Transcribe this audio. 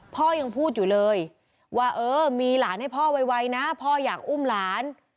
พ่อยังพูดอยู่เลยว่าเออมีหลานให้พ่อไวนะพ่ออยากอุ้มหลาน